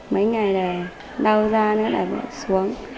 mấy ngày là đau da nữa là bỏ xuống